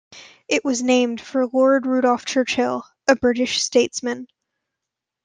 It was named for Lord Randolph Churchill, a British statesman.